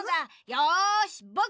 よしぼくが！